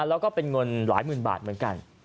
แล้วก็เป็นเงินหลายหมื่นบาทเหมือนกัน